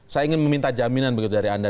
saya ingin meminta jaminan begitu dari anda